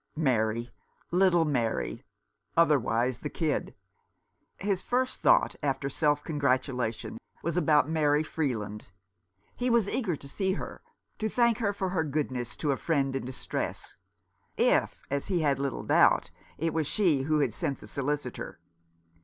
Mary — little Mary — otherwise the kid ! His first thought after self congratulation was about Mary Freeland. He was eager to see her, to thank her for her goodness to a friend in distress ; if, as he had little doubt, it was she who had sent the solicitor.